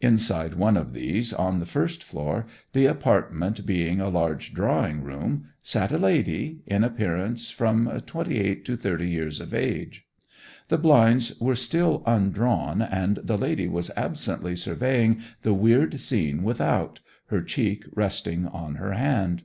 Inside one of these, on the first floor, the apartment being a large drawing room, sat a lady, in appearance from twenty eight to thirty years of age. The blinds were still undrawn, and the lady was absently surveying the weird scene without, her cheek resting on her hand.